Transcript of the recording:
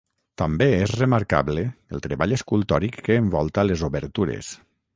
També és remarcable el treball escultòric que envolta les obertures.